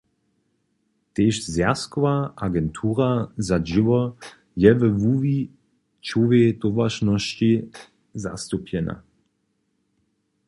Tež Zwjazkowa agentura za dźěło je we wuwićowej towaršnosći zastupjena.